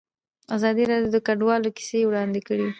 ازادي راډیو د کډوال کیسې وړاندې کړي.